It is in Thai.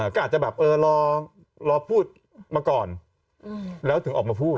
ก็อาจจะแบบเออรอพูดมาก่อนแล้วถึงออกมาพูด